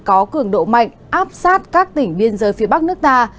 có cường độ mạnh áp sát các tỉnh biên giới phía bắc nước ta